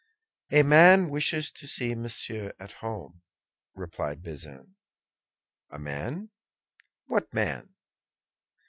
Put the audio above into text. "A man wishes to see Monsieur at home," replied Bazin. "A man! What man?"